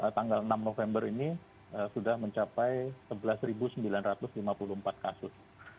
tanggal enam november ini sudah mencapai sebelas sembilan ratus lima puluh empat kasus